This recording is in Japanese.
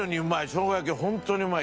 しょうが焼きホントにうまい。